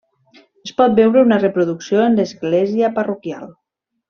Es pot veure una reproducció en l'Església parroquial.